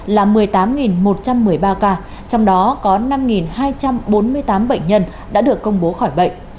là một mươi tám một trăm một mươi ba ca trong đó có năm hai trăm bốn mươi tám bệnh nhân đã được công bố khỏi bệnh